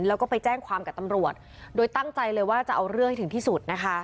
แล้วก็ไปแจ้งความกับตำรวจโดยตั้งใจเลยว่าจะเอาเรื่องให้ถึงที่สุดนะคะ